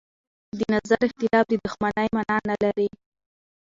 د نظر اختلاف د دښمنۍ مانا نه لري